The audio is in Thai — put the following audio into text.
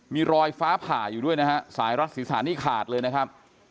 มีรอยฟ้าผ่าอยู่ด้วยนะฮะสายรัดศีรษะนี่ขาดเลยนะครับ